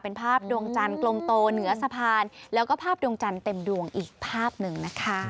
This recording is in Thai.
เป็นภาพดวงจันทร์กลมโตเหนือสะพานแล้วก็ภาพดวงจันทร์เต็มดวงอีกภาพหนึ่งนะคะ